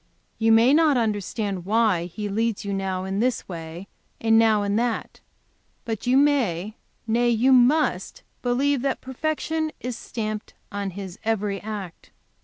You may not understand why He leads you now in this way and now in that, but you may, nay, you must believe that perfection is stamped on His every act.